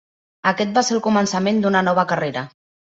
Aquest va ser el començament d'una nova carrera.